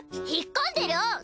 引っ込んでるお！